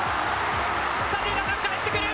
３塁ランナーがかえってくる。